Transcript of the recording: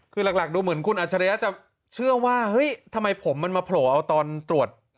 คือหลักดูเหมือนคุณอัจฉริยะจะเชื่อว่าเฮ้ยทำไมผมมันมาโผล่เอาตอนตรวจ